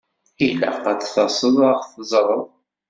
Ilaq ad taseḍ ad ɣ-teẓṛeḍ!